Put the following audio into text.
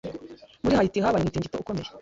Muri Haiti, habaye umutingito ukomeye.